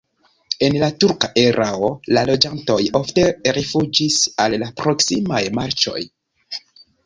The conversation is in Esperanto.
En la turka erao la loĝantoj ofte rifuĝis al la proksimaj marĉoj.